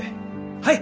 はい！